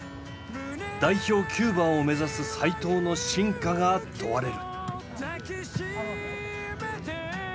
代表９番を目指す齋藤の真価が問われる。